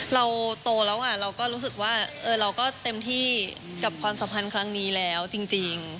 เราโตแล้วเราก็รู้สึกว่าเราก็เต็มที่กับความสัมพันธ์ครั้งนี้แล้วจริง